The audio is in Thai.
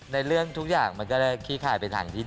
ในเรื่องทุกอย่างมันก็ได้ขี้คายไปทางที่๒